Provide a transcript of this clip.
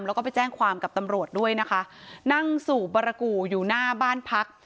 แล้วก็ไปแจ้งความกับตำรวจด้วยนะคะนั่งสูบบารกูอยู่หน้าบ้านพัก